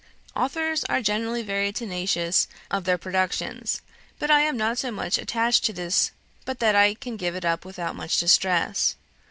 "Authors are generally very tenacious of their productions, but I am not so much attached to this but that I can give it up without much distress.